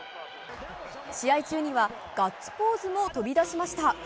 試合中にはガッツポーズも飛び出しました。